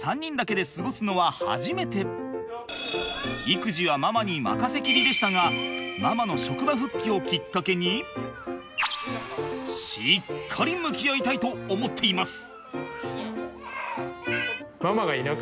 育児はママに任せきりでしたがママの職場復帰をきっかけにしっかり向き合いたいと思っています。